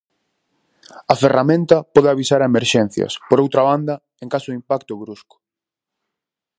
A ferramenta pode avisar a emerxencias, por outra banda, en caso de impacto brusco.